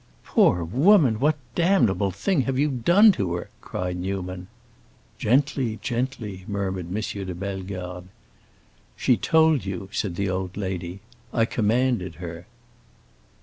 "Poor woman, what damnable thing have you done to her?" cried Newman. "Gently, gently!" murmured M. de Bellegarde. "She told you," said the old lady. "I commanded her."